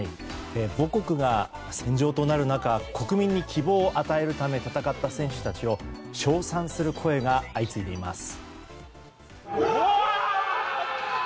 母国が戦場となる中国民に希望を与えるため戦った選手たちを称賛する声が相次いでいます。